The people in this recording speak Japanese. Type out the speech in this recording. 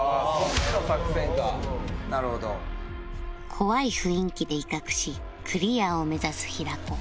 怖い雰囲気で威嚇しクリアを目指す平子